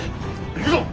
行くぞ！